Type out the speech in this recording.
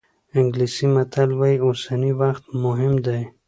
انګلیسي متل وایي اوسنی وخت مهم دی.